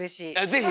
ぜひ！